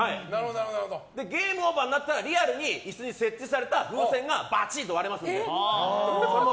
ゲームオーバーになったらリアルに椅子に設置された風船がバチンと割れますので。